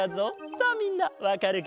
さあみんなわかるかな？